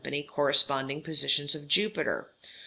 corresponding positions of Jupiter.